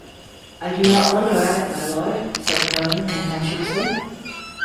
"I do not wonder at it, my lord", said Curran contemptuously.